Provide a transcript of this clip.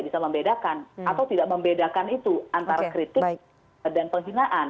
bisa membedakan atau tidak membedakan itu antara kritik dan penghinaan